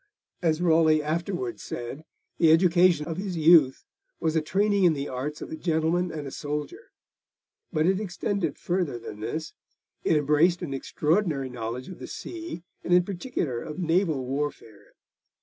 As Raleigh afterwards said, the education of his youth was a training in the arts of a gentleman and a soldier. But it extended further than this it embraced an extraordinary knowledge of the sea, and in particular of naval warfare.